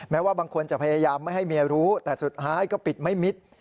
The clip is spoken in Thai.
ว่าบางคนจะพยายามไม่ให้เมียรู้แต่สุดท้ายก็ปิดไม่มิด